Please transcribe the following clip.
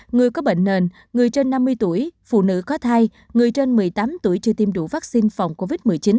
người có bệnh nền người trên năm mươi tuổi phụ nữ có thai người trên một mươi tám tuổi chưa tiêm đủ vaccine phòng covid một mươi chín